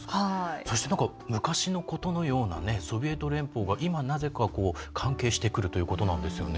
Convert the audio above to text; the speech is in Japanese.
そして、昔のことのようなソビエト連邦が今なぜか関係してくるということなんですよね。